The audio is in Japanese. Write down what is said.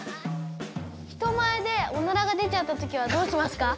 人前でオナラが出ちゃった時はどうしますか？